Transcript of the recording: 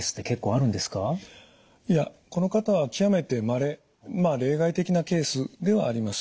いやこの方は極めてまれまあ例外的なケースではあります。